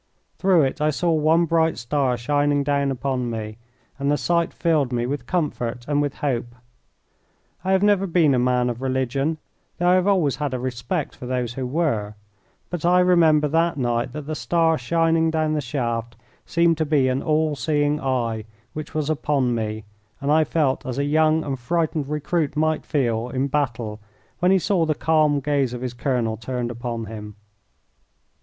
Through it I saw one bright star shining down upon me, and the sight filled me with comfort and with hope. I have never been a man of religion, though I have always had a respect for those who were, but I remember that night that the star shining down the shaft seemed to be an all seeing eye which was upon me, and I felt as a young and frightened recruit might feel in battle when he saw the calm gaze of his colonel turned upon him.